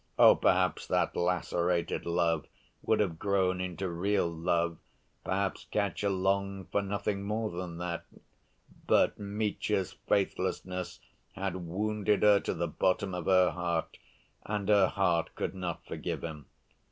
Oh! perhaps that lacerated love would have grown into real love, perhaps Katya longed for nothing more than that, but Mitya's faithlessness had wounded her to the bottom of her heart, and her heart could not forgive him.